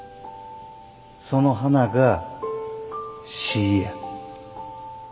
その花が詩ぃや。